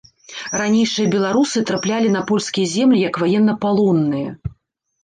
Ранейшыя беларусы траплялі на польскія землі як ваеннапалонныя.